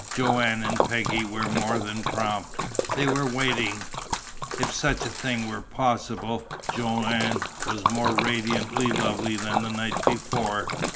Joanne and Peggy were more than prompt. They were waiting. If such a thing were possible Joanne was more radiantly lovely than the night before.